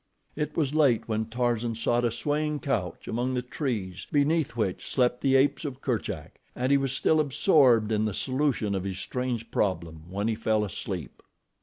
It was late when Tarzan sought a swaying couch among the trees beneath which slept the apes of Kerchak, and he was still absorbed in the solution of his strange problem when he fell asleep.